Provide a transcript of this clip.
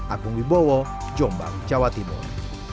aku ngi bowo jombang jawa timur